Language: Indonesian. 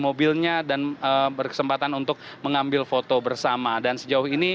mobilnya dan berkesempatan untuk mengambil foto bersama dan sejauh ini